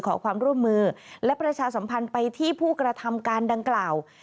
ขอความร่วมมือและประชาสัมพันธ์ไปที่ผู้กระทำการดังกล่าว